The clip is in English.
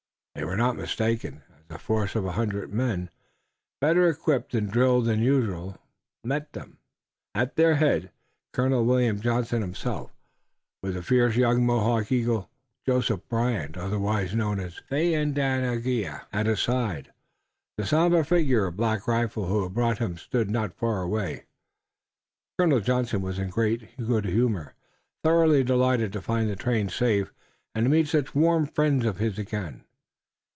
They were not mistaken, as a force of a hundred men, better equipped and drilled than usual, met them, at their head Colonel William Johnson himself, with the fierce young Mohawk eagle, Joseph Brant, otherwise Thayendanegea, at his side. The somber figure of Black Rifle, who had brought him, stood not far away. Colonel Johnson was in great good humor, thoroughly delighted to find the train safe and to meet such warm friends of his again.